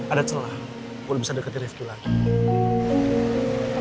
ada celah lo bisa deketin rifqi lagi